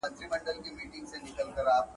هغه نجلۍ چي هلته ناسته ده تکړه پروګرامره ده.